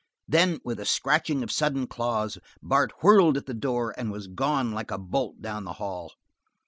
Then, with a scratching of sudden claws, Bart whirled at the door and was gone like a bolt down the hall.